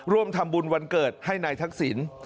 ร่วมทำบุญวันเกิดให้นายทักษิณ